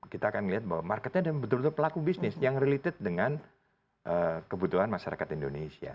kita akan lihat bahwa marketnya adalah betul betul pelaku bisnis yang related dengan kebutuhan masyarakat indonesia